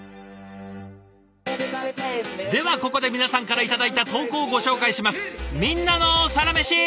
ではここで皆さんから頂いた投稿をご紹介します。